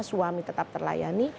suami tetap terlayani